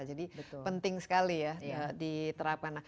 jadi penting sekali ya diterapkan